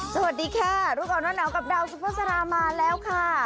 สวัสดีดูข้ากับน้องเหนากับดาวซุปเปอร์ศาลามาแล้วค่ะ